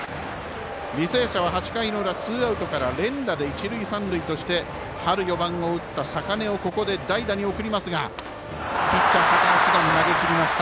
履正社は８回の裏ツーアウトから連打で一塁三塁として春、４番を打った坂根をここで代打に送りますがピッチャー、高橋が投げきりました。